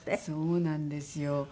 そうなんですよ。